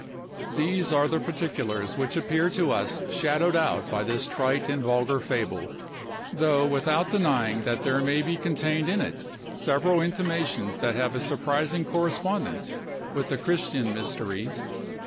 These are the particulars which appear to us shadowed out by this trite and vulgar fable, though without denying that there may be contained in it several intimations that have a surprising correspondence with the Christian mysteries.